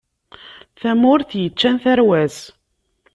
Tamurt yeččan tarwa-s.